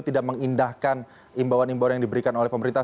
tidak mengindahkan imbauan imbauan yang diberikan oleh pemerintah